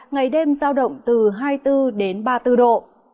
ngày đêm giao động từ hai mươi bốn đến ba mươi bốn độ